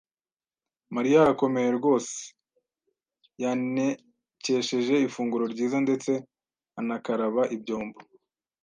Mariya arakomeye rwose. Yantekesheje ifunguro ryiza ndetse anakaraba ibyombo.